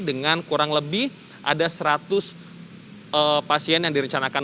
dengan kurang lebih ada seratus pasien yang direncanakan